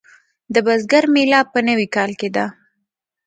د بزګر میله په نوي کال کې ده.